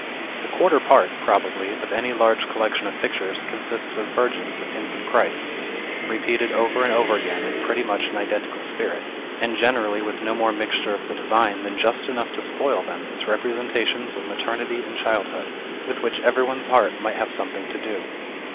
A quarter part, probably, of any large collection of pictures consists of Virgins and infant Christs, repeated over and over again in pretty much an identical spirit, and generally with no more mixture of the Divine than just enough to spoil them as representations of maternity and childhood, with which everybody's heart might have something to do.